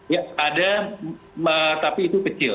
ya ada tapi itu kecil